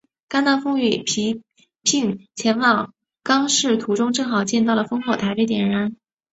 甘道夫与皮聘前往刚铎途中正好见到了烽火台被点燃。